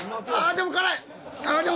でも辛い！